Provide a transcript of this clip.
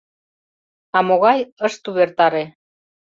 А могай — ышт увертаре.